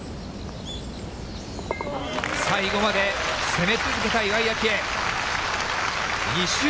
最後まで攻め続けた岩井明愛。